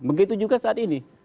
begitu juga saat ini